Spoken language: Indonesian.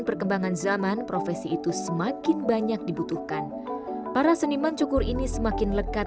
perkembangan zaman profesi itu semakin banyak dibutuhkan para seniman cukur ini semakin lekat